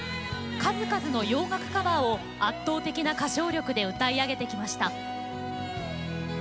数々の洋楽カバーを圧倒的な歌唱力で歌い上げてきました。